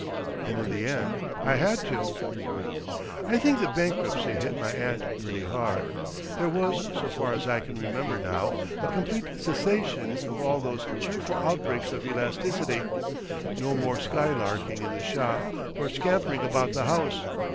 And in the end I had to. I think the bankruptcy hit my aunt pretty hard. There was, so far as I can remember now, a complete cessation of all those cheerful outbreaks of elasticity, no more skylarking in the shop nor scampering about the house.